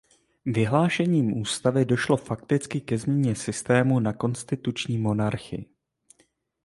Vyhlášením ústavy došlo fakticky ke změně systému na konstituční monarchii.